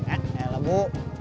eh eh lah bu